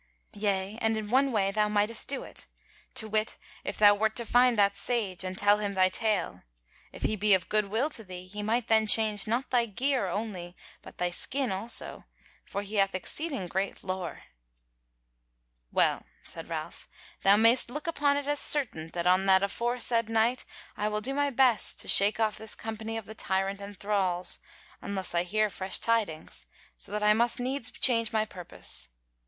Yea, and in one way thou mightest do it; to wit, if thou wert to find that Sage, and tell him thy tale: if he be of good will to thee, he might then change not thy gear only, but thy skin also; for he hath exceeding great lore." "Well," said Ralph, "Thou mayst look upon it as certain that on that aforesaid night, I will do my best to shake off this company of tyrant and thralls, unless I hear fresh tidings, so that I must needs change my purpose.